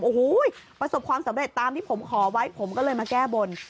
โอ้โหประสบความสำเร็จตามที่ผมขอไว้ผมก็เลยมาแก้บน